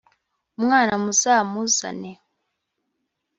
umwana muzamuzane